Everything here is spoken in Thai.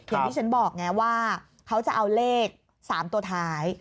อย่างที่ฉันบอกไงว่าเขาจะเอาเลข๓ตัวท้าย